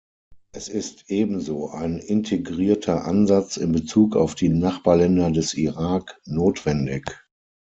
Es ist ebenso ein integrierter Ansatz in Bezug auf die Nachbarländer des Irak notwendig.